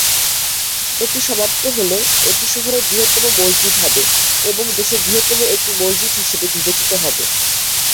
এটি সমাপ্ত হলে, এটি শহরের বৃহত্তম মসজিদ হবে এবং দেশের বৃহত্তম একটি মসজিদ হিসাবে বিবেচিত হবে।